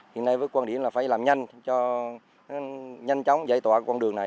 hiện nay với quan điểm là phải làm nhanh cho nhanh chóng giải tỏa con đường này